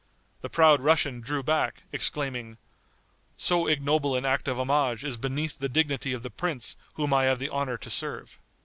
The proud Russian drew back, exclaiming, "So ignoble an act of homage is beneath the dignity of the prince whom I have the honor to serve."